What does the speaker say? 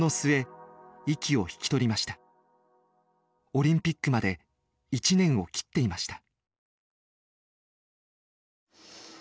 オリンピックまで１年を切っていました。